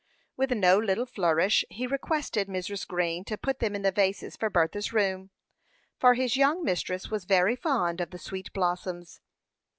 With no little flourish, he requested Mrs. Green to put them in the vases for Bertha's room; for his young mistress was very fond of the sweet blossoms.